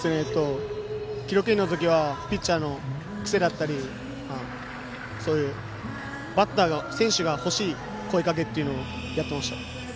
記録員の時はピッチャーの癖だったりバッター、選手がほしい声かけというのをやっていました。